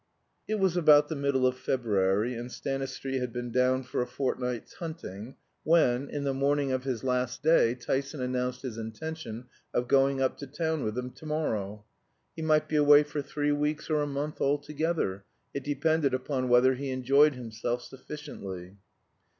It was about the middle of February, and Stanistreet had been down for a fortnight's hunting, when, in the morning of his last day, Tyson announced his intention of going up to town with him to morrow. He might be away for three weeks or a month altogether; it depended upon whether he enjoyed himself sufficiently.